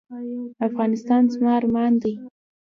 افغانستان زما ارمان دی؟